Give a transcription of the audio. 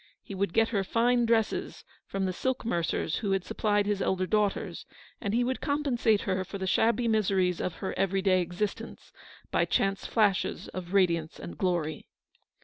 He would get her fine dresses from the silk mercers who had supplied his elder daughters, and he would compensate her for the shabby miseries of her every day existence by chance flashes of radiance and glory.